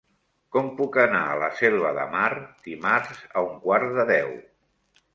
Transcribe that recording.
Com puc anar a la Selva de Mar dimarts a un quart de deu?